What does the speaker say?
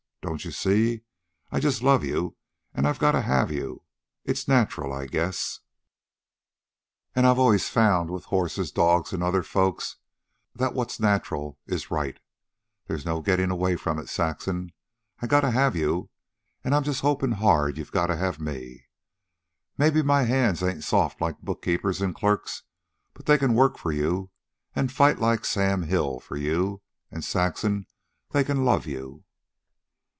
Don't you see? I just love you, an' I gotta have you. It's natural, I guess; and I've always found with horses, dogs, and other folks, that what's natural is right. There's no gettin' away from it, Saxon; I gotta have you, an' I'm just hopin' hard you gotta have me. Maybe my hands ain't soft like bookkeepers' an' clerks, but they can work for you, an' fight like Sam Hill for you, and, Saxon, they can love you."